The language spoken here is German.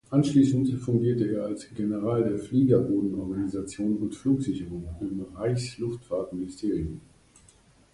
Anschließend fungierte er als "General der Fliegerbodenorganisation und Flugsicherung" im Reichsluftfahrtministerium.